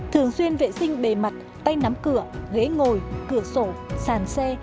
thường xuyên vệ sinh bề mặt tay nắm cửa ghế ngồi cửa sổ sàn xe